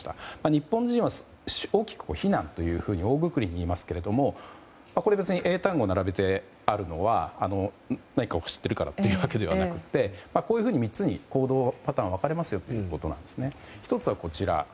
日本人は大きく避難と大ぐくりに言いますけれどもこれ別に英単語を並べてあるのは何かを知ってるからというわけではなくてこういうふうに３つに行動パターンが分かれますよということです。